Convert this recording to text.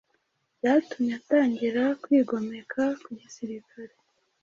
byatumye atangira kwigomeka ku gisirikare